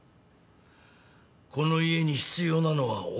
この家に必要なのは男だ。